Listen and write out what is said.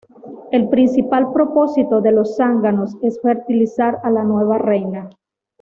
El principal propósito de los zánganos es fertilizar a la nueva reina.